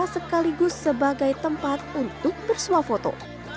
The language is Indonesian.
sekaligus sebagai tempat untuk bersuap foto